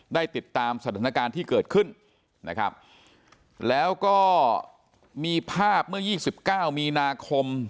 ได้ติดตามสถานการณ์ที่เกิดขึ้นนะครับแล้วก็มีภาพเมื่อ๒๙มีนาคม